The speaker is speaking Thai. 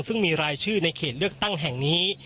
ซึ่งมีรายชื่อในเขตเลือกตั้งแห่งนี้